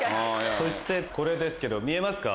そしてこれですけど見えますか？